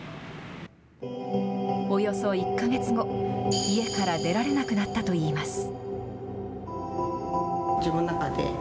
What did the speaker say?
およそ１か月後、家から出られなくなったといいます。